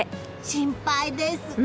心配です。